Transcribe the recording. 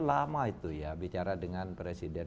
lama itu ya bicara dengan presiden